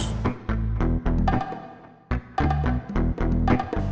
ini nggak bisa diurus